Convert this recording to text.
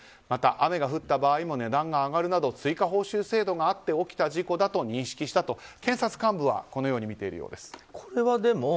また、雨が降った場合も値段が上がるなど追加報酬制度があって起きた事故だと認識したと検察幹部はこのように見ているようです。